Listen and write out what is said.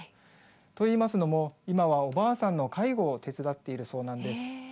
といいますのも今は、おばあさんの介護を手伝っているそうなんです。